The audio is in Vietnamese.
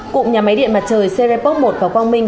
cụm nhà máy điện mặt trời serepoc một và quang minh